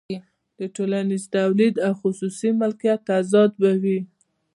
د ټولنیز تولید او خصوصي مالکیت تضاد به وي